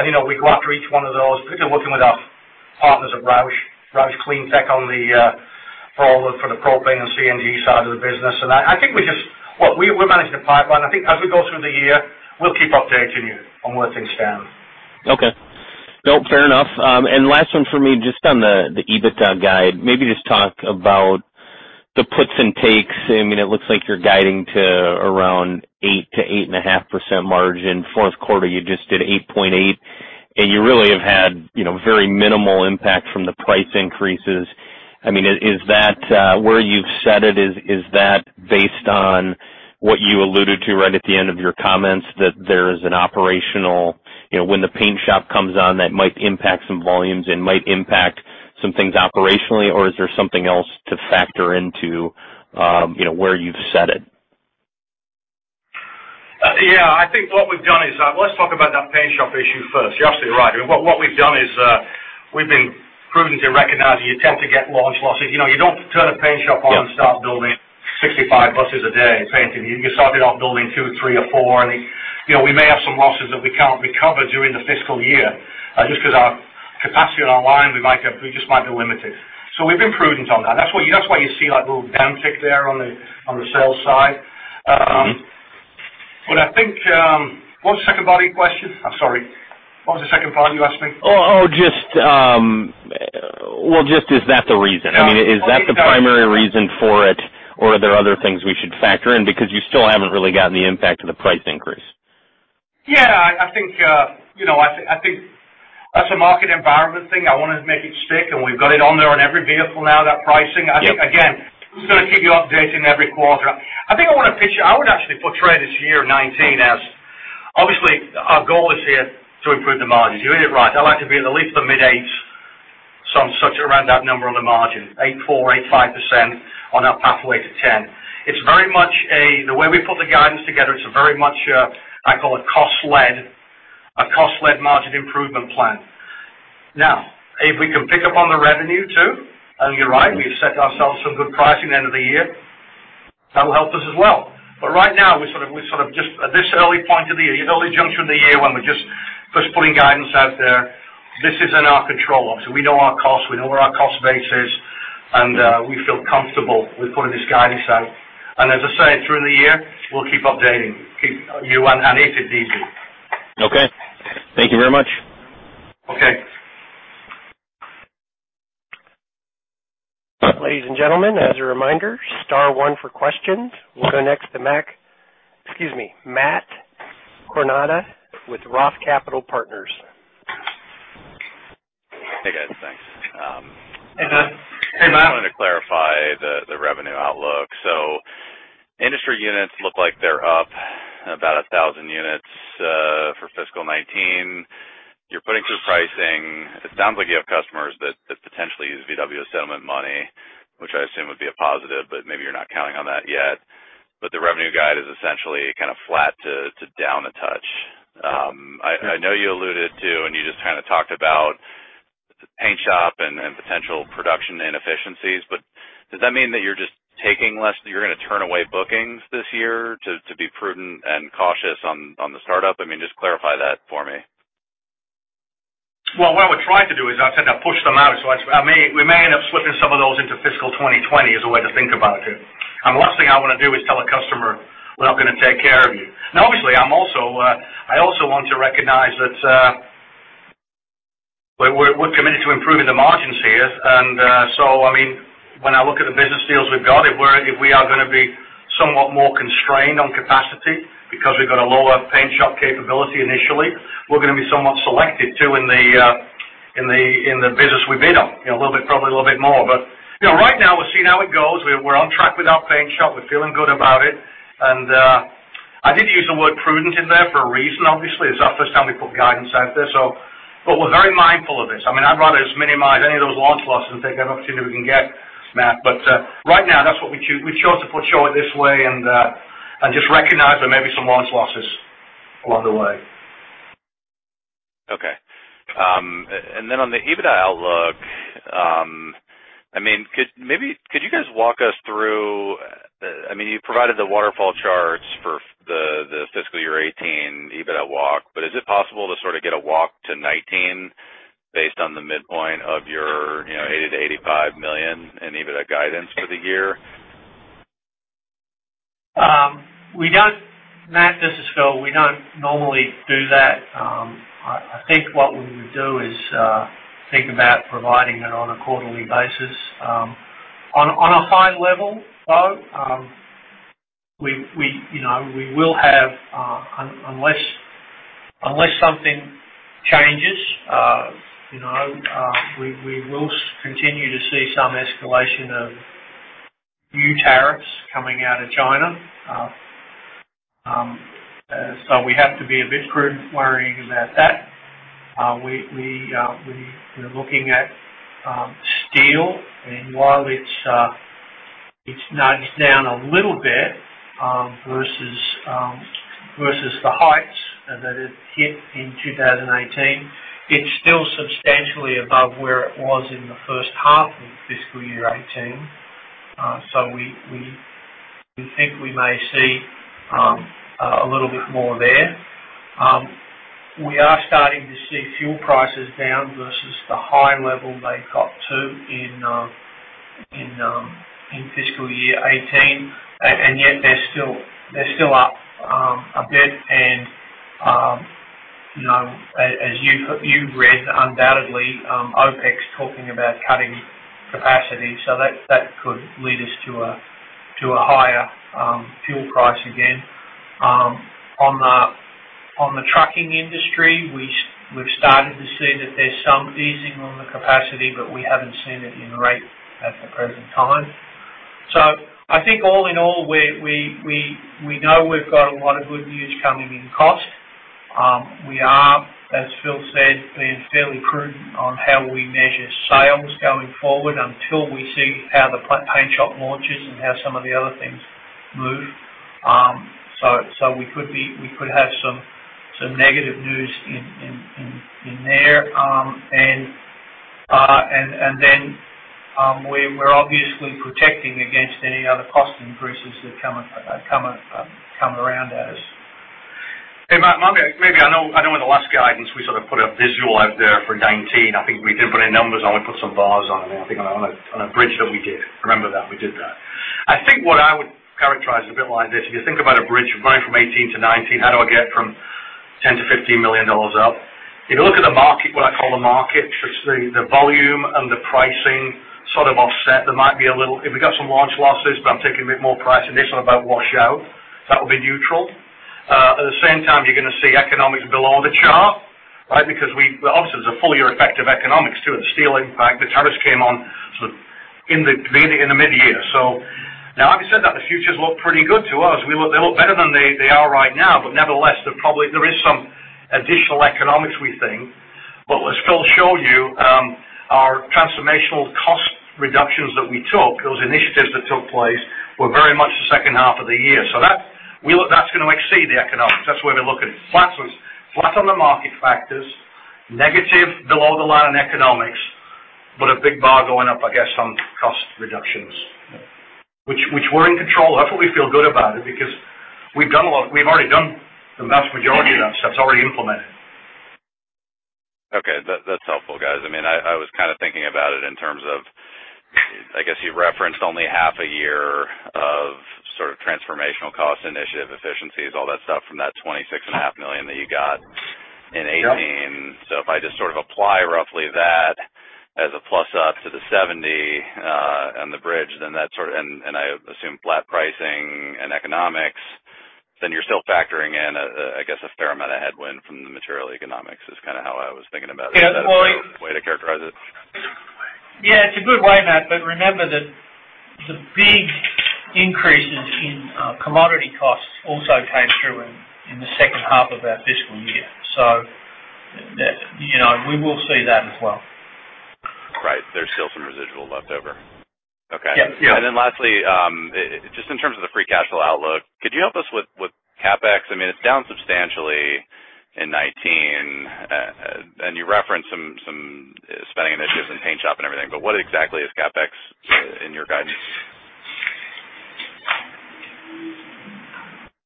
We go after each one of those, particularly working with our partners at ROUSH CleanTech for the propane and CNG side of the business. I think we're managing a pipeline. I think as we go through the year, we'll keep updating you on where things stand. Okay. No, fair enough. Last one for me, just on the EBITDA guide. Maybe just talk about the puts and takes. It looks like you're guiding to around 8% to 8.5% margin. Fourth quarter, you just did 8.8%, and you really have had very minimal impact from the price increases. Is that where you've set it? Is that based on what you alluded to right at the end of your comments that there is an operational, when the paint shop comes on, that might impact some volumes and might impact some things operationally, or is there something else to factor into where you've set it? Yeah. Let's talk about that paint shop issue first. You're absolutely right. What we've done is we've been prudent to recognize that you tend to get launch losses. You don't turn a paint shop on and start building 65 buses a day painting. You start it off building two, three or four. We may have some losses that we can't recover during the fiscal year just because our capacity on our line, we just might be limited. We've been prudent on that. That's why you see that little downtick there on the sales side. What was the second part of your question? I'm sorry. What was the second part you asked me? Well, just is that the reason? Oh. Is that the primary reason for it, or are there other things we should factor in because you still haven't really gotten the impact of the price increase? Yeah. I think that's a market environment thing. I want to make it stick, and we've got it on there on every vehicle now, that pricing. Yeah. I think, again, I'm just going to keep you updated every quarter. I would actually portray this year 2019 as obviously our goal is here to improve the margin. You heard it right. I'd like to be at least the mid-eights, some such around that number on the margin, 8.4%, 8.5% on our pathway to 10. The way we put the guidance together, it's a very much a, I call it cost-led margin improvement plan. If we can pick up on the revenue too, and you're right, we've set ourselves some good pricing end of the year, that will help us as well. Right now, at this early point of the year, the early juncture in the year when we're just putting guidance out there, this is in our control. Obviously, we know our costs, we know where our cost base is, we feel comfortable with putting this guidance out. As I say, through the year, we'll keep updating you and if it needs it. Okay. Thank you very much. Okay. Ladies and gentlemen, as a reminder, star one for questions. We'll go next to Matthew Koranda with ROTH Capital Partners. Hey, guys. Thanks. Hey, Matt. Hey, Matt. I just wanted to clarify the revenue outlook. Industry units look like they're up about 1,000 units for fiscal 2019. You're putting through pricing. It sounds like you have customers that potentially use Volkswagen settlement money, which I assume would be a positive, but maybe you're not counting on that yet. The revenue guide is essentially kind of flat to down a touch. I know you alluded to, and you just kind of talked about the paint shop and potential production inefficiencies, does that mean that you're just taking less? That you're going to turn away bookings this year to be prudent and cautious on the startup? Just clarify that for me. Well, what we're trying to do is I said I pushed them out. We may end up slipping some of those into fiscal 2020 is a way to think about it. The last thing I want to do is tell a customer, "We're not going to take care of you." Now, obviously, I also want to recognize that. We're committed to improving the margins here. When I look at the business deals we've got, if we are going to be somewhat more constrained on capacity because we've got a lower paint shop capability initially, we're going to be somewhat selective, too, in the business we bid on, probably a little bit more. Right now, we're seeing how it goes. We're on track with our paint shop. We're feeling good about it. I did use the word prudent in there for a reason, obviously. It's our first time we've put guidance out there. We're very mindful of this. I'd rather us minimize any of those launch losses and take every opportunity we can get, Matt. Right now, that's what we choose. We chose to show it this way and just recognize there may be some launch losses along the way. Okay. On the EBITDA outlook, could you guys walk us through, you provided the waterfall charts for the fiscal year 2018 EBITDA walk, but is it possible to sort of get a walk to 2019 based on the midpoint of your $80 million-$85 million in EBITDA guidance for the year? Matt, this is Phil. We don't normally do that. I think what we would do is think about providing it on a quarterly basis. On a high level, though, unless something changes, we will continue to see some escalation of new tariffs coming out of China. We have to be a bit prudent worrying about that. We're looking at steel, while it's nudged down a little bit versus the heights that it hit in 2018, it's still substantially above where it was in the first half of fiscal year 2018. We think we may see a little bit more there. We are starting to see fuel prices down versus the high level they got to in fiscal year 2018, yet they're still up a bit and, as you've read undoubtedly, OPEC talking about cutting capacity. That could lead us to a higher fuel price again. On the trucking industry, we've started to see that there's some easing on the capacity, we haven't seen it in rate at the present time. I think all in all, we know we've got a lot of good news coming in cost. We are, as Phil said, being fairly prudent on how we measure sales going forward until we see how the paint shop launches and how some of the other things move. We could have some negative news in there. We're obviously protecting against any other cost increases that come around at us. Hey, Matt, maybe I know in the last guidance, we sort of put a visual out there for 2019. I think we didn't put any numbers on. We put some bars on them, I think, on a bridge that we did. Remember that. We did that. I think what I would characterize it a bit like this, if you think about a bridge running from 2018 to 2019, how do I get from $10 million-$15 million up? If you look at the market, what I call the market, the volume and the pricing sort of offset. If we've got some launch losses, I'm taking a bit more price initially, they'll about wash out. That will be neutral. At the same time, you're going to see economics below the chart. Obviously, it's a full-year effect of economics, too. Steel, in fact, the tariffs came on in the mid-year. Now having said that, the futures look pretty good to us. They look better than they are right now. Nevertheless, there is some additional economics, we think. As Phil showed you, our transformational cost reductions that we took, those initiatives that took place were very much the second half of the year. That's going to exceed the economics. That's the way we look at it. Flat on the market factors, negative below the line in economics, but a big bar going up, I guess, on cost reductions, which we're in control of. That's what we feel good about it, because we've already done the vast majority of that stuff is already implemented. Okay. That's helpful, guys. I was kind of thinking about it in terms of, I guess you referenced only half a year of sort of transformational cost initiative efficiencies, all that stuff from that $26.5 million that you got in 2018. Yep. If I just sort of apply roughly that as a plus up to the $70 on the bridge, and I assume flat pricing and economics, then you're still factoring in, I guess, a fair amount of headwind from the material economics is kind of how I was thinking about it. Is that a fair way to characterize it? Yeah, it's a good way, Matt, but remember that the big increases in commodity costs also came through in the second half of our fiscal year. We will see that as well. Right. There's still some residual leftover. Okay. Yeah. Lastly, just in terms of the free cash flow outlook, could you help us with CapEx? It's down substantially in 2019. You referenced some spending initiatives in paint shop and everything, what exactly is CapEx in your guidance?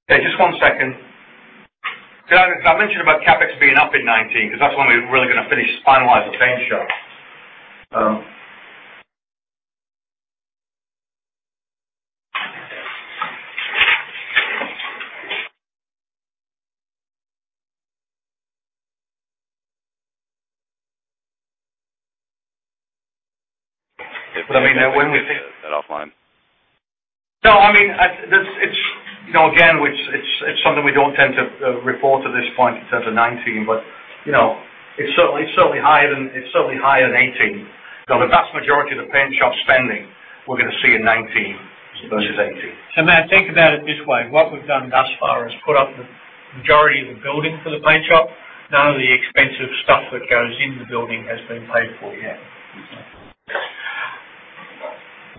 Hey, just one second. Did I mention about CapEx being up in 2019? That's when we're really going to finish finalizing the paint shop. That offline. Again, it's something we don't tend to report at this point in terms of 2019, but it's certainly higher than 2018. The vast majority of the paint shop spending we're going to see in 2019 versus 2018. Matt, think about it this way. What we've done thus far is put up the majority of the building for the paint shop. None of the expensive stuff that goes in the building has been paid for yet.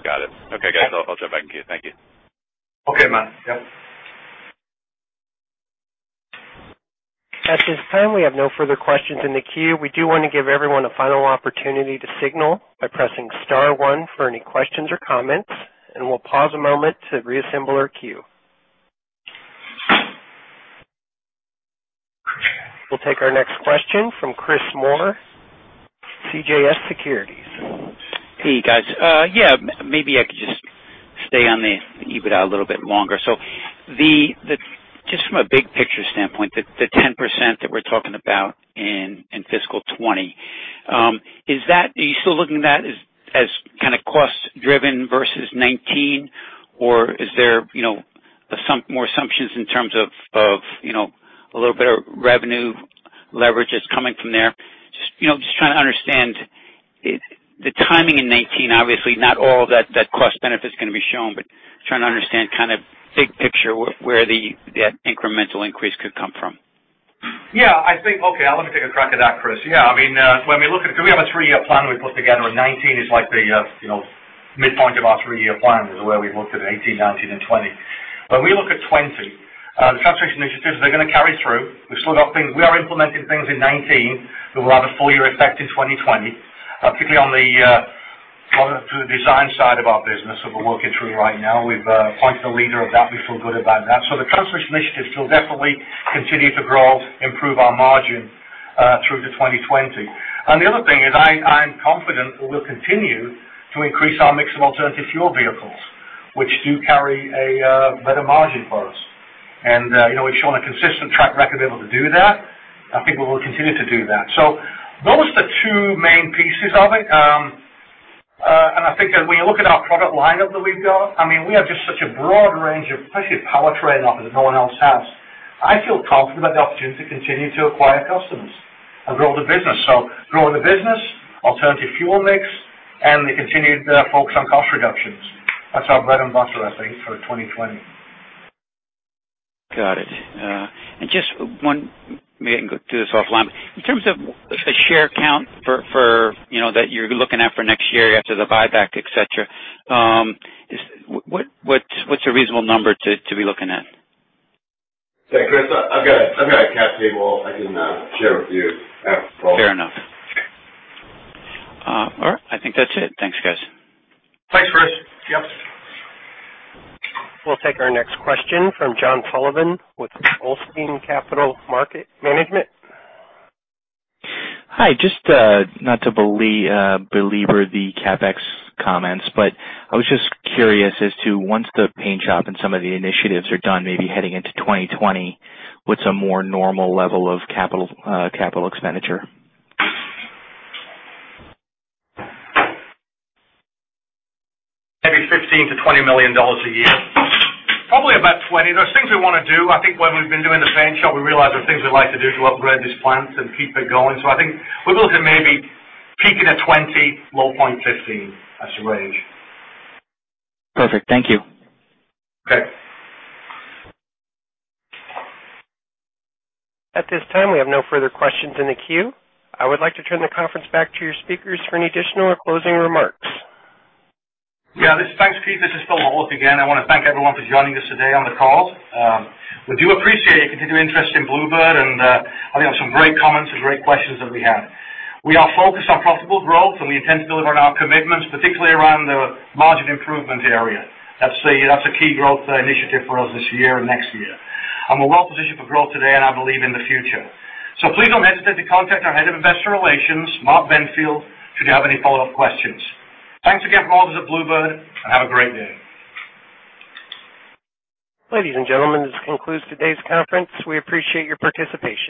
Got it. Guys, I'll jump back in queue. Thank you. Matt. Yep. At this time, we have no further questions in the queue. We do want to give everyone a final opportunity to signal by pressing star one for any questions or comments, and we'll pause a moment to reassemble our queue. We'll take our next question from Chris Moore, CJS Securities. Hey, guys. Maybe I could just stay on the EBITDA a little bit longer. Just from a big picture standpoint, the 10% that we're talking about in fiscal 2020, are you still looking at that as kind of cost driven versus 2019? Or is there more assumptions in terms of a little bit of revenue leverage that's coming from there? Just trying to understand the timing in 2019, obviously not all that cost benefit's going to be shown, but trying to understand kind of big picture where that incremental increase could come from. I think, okay, let me take a crack at that, Chris. When we look at it, because we have a three-year plan we've put together, and 2019 is like the midpoint of our three-year plan is the way we've looked at it, 2018, 2019, and 2020. When we look at 2020, the transformation initiatives, they're going to carry through. We are implementing things in 2019 that will have a full-year effect in 2020, particularly on the design side of our business that we're working through right now. We've appointed a leader of that. We feel good about that. The transformation initiatives will definitely continue to grow, improve our margin through to 2020. The other thing is I am confident that we'll continue to increase our mix of alternative fuel vehicles, which do carry a better margin for us. We've shown a consistent track record of able to do that. I think we will continue to do that. Those are the two main pieces of it. I think when you look at our product lineup that we've got, we have just such a broad range of especially powertrain offers that no one else has. I feel confident about the opportunity to continue to acquire customers and grow the business. Growing the business, alternative fuel mix, and the continued focus on cost reductions. That's our bread and butter, I think, for 2020. Got it. Just one, maybe I can do this offline. In terms of a share count that you're looking at for next year after the buyback, etcetera, what's a reasonable number to be looking at? Hey, Chris, I've got a cap table I can share with you after the call. Fair enough. All right. I think that's it. Thanks, guys. Thanks, Chris. Yep. We'll take our next question from John Sullivan with Olstein Capital Management. Hi. Just not to belabor the CapEx comments, I was just curious as to, once the paint shop and some of the initiatives are done, maybe heading into 2020, what's a more normal level of capital expenditure? Maybe $15 million-$20 million a year. Probably about $20 million. There's things we want to do. I think when we've been doing the paint shop, we realized there are things we'd like to do to upgrade these plants and keep it going. I think we're looking maybe peaking at $20 million, low point $15 million as a range. Perfect. Thank you. Okay. At this time, we have no further questions in the queue. I would like to turn the conference back to your speakers for any additional or closing remarks. Yeah, thanks, Keith. This is Phil Horlock again. I want to thank everyone for joining us today on the call. We do appreciate your continued interest in Blue Bird. I think there were some great comments and great questions that we had. We are focused on profitable growth, and we intend to deliver on our commitments, particularly around the margin improvement area. That's a key growth initiative for us this year and next year. We're well positioned for growth today, and I believe in the future. Please don't hesitate to contact our Head of Investor Relations, Mark Benfield, should you have any follow-up questions. Thanks again from all of us at Blue Bird, and have a great day. Ladies and gentlemen, this concludes today's conference. We appreciate your participation.